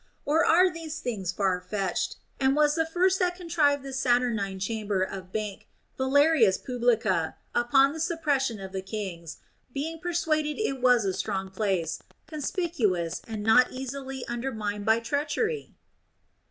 Or are these things far fetched, and was the first that contrived this Saturnine chamber of bank Valerius Publicola, upon the suppression of the kings, being persuaded it was a strong place, con spicuous, and not easily undermined by treachery?